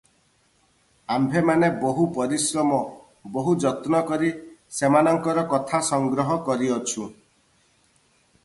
ଆମ୍ଭେମାନେ ବହୁ ପରିଶ୍ରମ ବହୁ ଯତ୍ନ କରି ସେମାନଙ୍କର କଥା ସଂଗ୍ରହ କରିଅଛୁଁ ।